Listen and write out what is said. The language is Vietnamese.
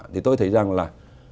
thì tôi thấy rằng là